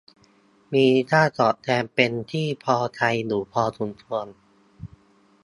มีค่าตอบแทนเป็นที่พอใจอยู่พอสมควร